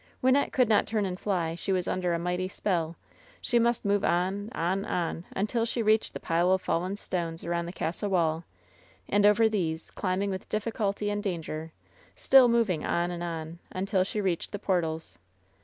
Wynnette could not turn and fly ; she was under a mighty spell, she must move on — on — on — ^until she reached the pile of fallen stones around the castle walls ; and over these, climbing with difficulty and danger, still moving on and on, until she reached the portals.